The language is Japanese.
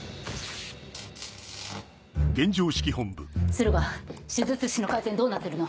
駿河手術室の回線どうなってるの？